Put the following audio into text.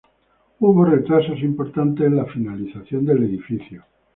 Hubo retrasos importantes en la finalización del edificio.